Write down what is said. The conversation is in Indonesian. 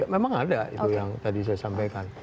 memang ada itu yang tadi saya sampaikan